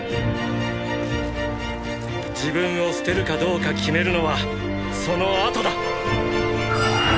自分を捨てるかどうか決めるのはその後だ！